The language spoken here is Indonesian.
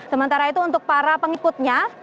sementara itu untuk para pengikutnya